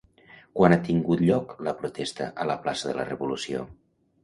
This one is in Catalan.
Quan ha tingut lloc la protesta a la plaça de la Revolució?